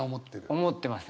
思ってますね。